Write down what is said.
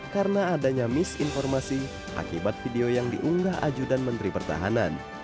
karena adanya misinformasi akibat video yang diunggah ajudan menteri pertahanan